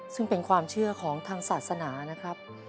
ซึ่งเป็นความเชื่อของทางศาสนานะครับ